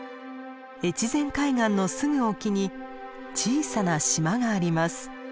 越前海岸のすぐ沖に小さな島があります。